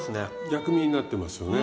薬味になってますよね。